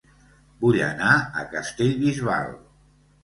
Vull anar a Castellbisbal